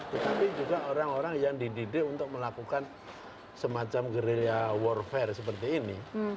tetapi juga orang orang yang dididik untuk melakukan semacam gerilya warfare seperti ini